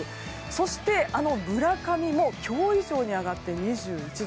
そして、あの村上も今日以上に上がって２１度。